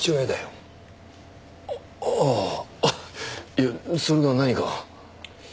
いやそれが何か？